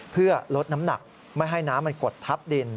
เพื่อลดน้ำหนักไม่ให้น้ำมันกดทับดิน